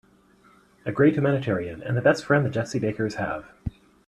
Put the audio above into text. A great humanitarian and the best friend the Jessie Bakers have.